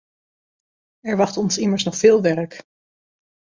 Er wacht ons immers nog veel werk.